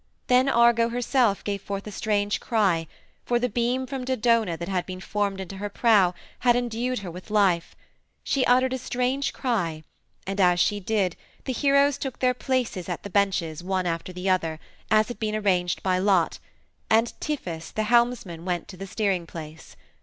Then Argo herself gave forth a strange cry, for the beam from Dodona that had been formed into her prow had endued her with life. She uttered a strange cry, and as she did the heroes took their places at the benches, one after the other, as had been arranged by lot, and Tiphys, the helmsman, went to the steering place.